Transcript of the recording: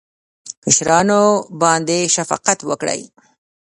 کشرانو باندې شفقت وکړئ